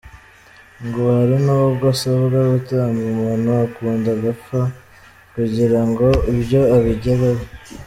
Ngo hari nubwo asabwa gutamba umuntu akunda agapfa kugira ngo ibyo abigereweho.